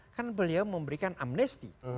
kan beliau memberikan amnesti